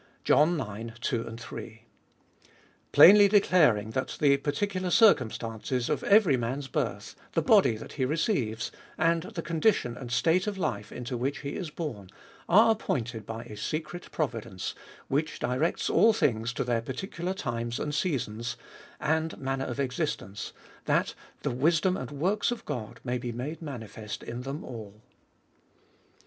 John ix. 2, 3. Plainly declaring , that the particular circumstances of every man's birth, the body that he receives, and the condition and state of life into which he is born, are appointed by a secret providence, which directs all things to their particular times, and seasons, and manner of existence, that the wisdom and works of God may be made manifest in them all.